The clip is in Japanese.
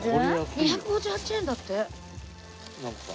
２５８円だって。